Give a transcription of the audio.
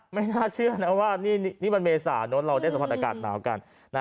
ไม่น่าเชื่อนะว่านี่มันเมษาเราได้สัมผัสอากาศหนาวกัน